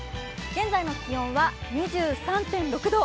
現在の気温は２３．６度。